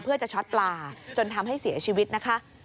เพื่อจะช็อตปลาจนทำให้เสียชีวิตนะคะ